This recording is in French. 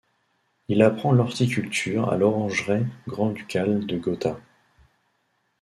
Il apprend l’horticulture à l’orangeraie grand-ducale de Gotha.